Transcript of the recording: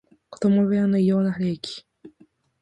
子供部屋の異様な冷気